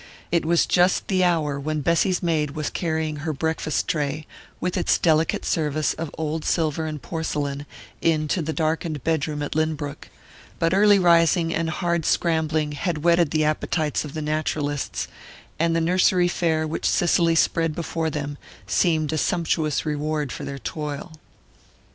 It was just the hour when Bessy's maid was carrying her breakfast tray, with its delicate service of old silver and porcelain, into the darkened bed room at Lynbrook; but early rising and hard scrambling had whetted the appetites of the naturalists, and the nursery fare which Cicely spread before them seemed a sumptuous reward for their toil.